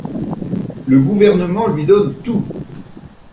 Le gouvernement lui donne tout.